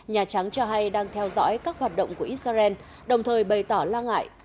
nhà trắng cho hay đang theo dõi các hoạt động của israel đồng thời bày tỏ lo ngại